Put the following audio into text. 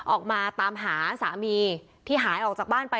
ออกมาตามหาสามีที่หายออกจากบ้านไป